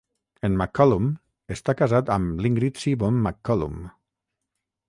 En McCollum està casat amb l'Íngrid Seebohm McCollum.